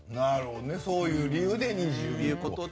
そういう理由で２１だと。